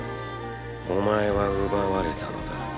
お前は奪われたのだ。